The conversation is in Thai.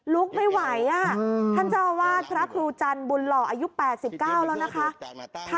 ลุกไม่ไหวท่านเจ้าอาวาสพระครูจันทร์บุญหล่ออายุ๘๙แล้วนะคะ